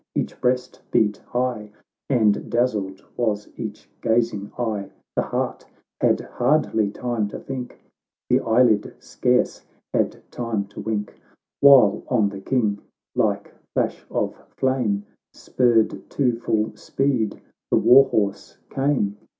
— Each breast beat higrj, And dazzled was each gazing eye — The heart had hardly time to think, The eyelid scarce had time to wink, While on the King, like flash of flame, Spurred to full speed the war horse came